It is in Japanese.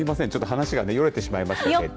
話がよれてしまいましたけれど。